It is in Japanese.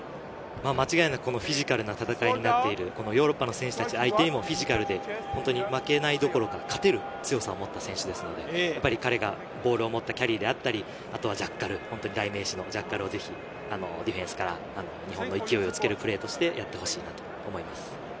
間違いなくフィジカルな戦いになっているヨーロッパの選手たち相手にもフィジカルで負けないどころか勝てる強さを持った選手ですので、彼がボールを持ったキャリーであったり、代名詞のジャッカルをぜひディフェンスから日本の勢いをつけるプレーとして、やってほしいなと思います。